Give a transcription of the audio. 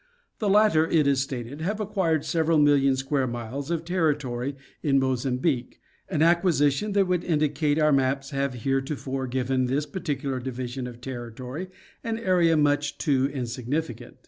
The latter, it is stated, have acquired several million square miles of territory in Mozambique, an acquisition that would indicate our maps have heretofore given this particular division of territory an area much too insignificant.